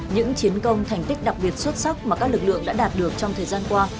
những chiến công thành tích đặc biệt xuất sắc mà các lực lượng đã đạt được trong thời gian qua